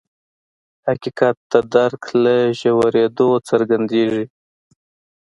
حقیقت د درک له ژورېدو څرګندېږي.